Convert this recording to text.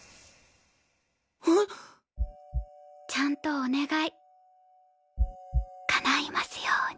ちゃんとお願いかないますように。